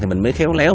thì mình mới khéo léo